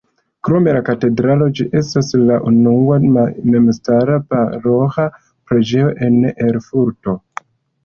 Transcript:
Krom la katedralo ĝi estas la unua memstara paroĥa preĝejo en Erfurto.